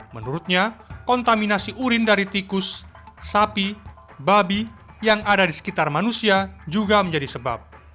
menurutnya kontaminasi urin dari tikus sapi babi yang ada di sekitar manusia juga menjadi sebab